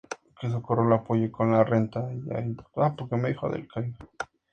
El apellido de su madre era Moreyra.